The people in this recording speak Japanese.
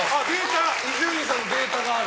伊集院さんのデータがある。